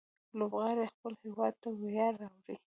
لوبغاړي خپل هيواد ته ویاړ راوړي.